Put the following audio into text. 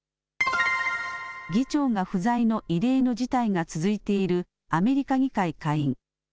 議長が不在の異例の事態が続いているアメリカ議会下院。